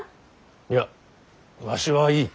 いやわしはいい。